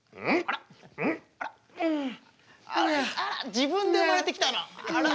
自分で生まれてきたな。